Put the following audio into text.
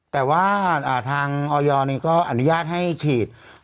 แต่ว่าทางออยก็อนุญาตให้ฉีด